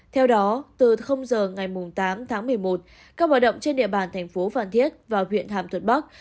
theo đó từ h ngày tám tháng một mươi một các hoạt động trên địa bàn tp hcm và huyện hàm thuận bắc